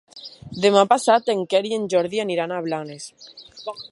Demà passat en Quer i en Jordi aniran a Blanes.